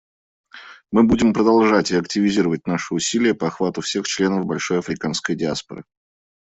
Мы будем продолжать и активизировать наши усилия по охвату всех членов большой африканской диаспоры.